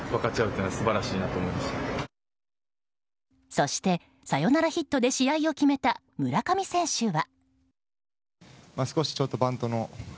そして、サヨナラヒットで試合を決めた村上選手は。